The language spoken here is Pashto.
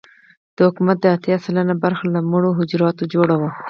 د حکومت دا اتيا سلنه برخه له مړو حجراتو جوړه وه.